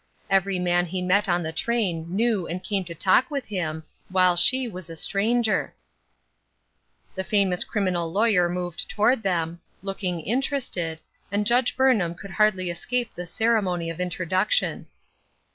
Every man he met on the train knew and came to talk with him, while she was a stranger. The famous criminal law3^er moved toward them. Trying Questions, 836 looking interested, and Judge Burnham could hardly escape the ceremony of introduction.